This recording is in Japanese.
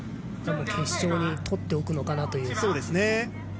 決勝にとっておくのかなという。